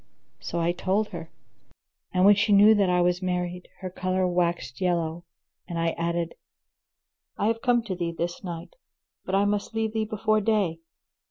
So I told her. And when she knew that I was married, her colour waxed yellow, and I added, "I have come to thee this night but I must leave thee before day."